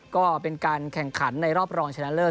ก็เป็นการแข่งขันในรอบรองชนะเลิศ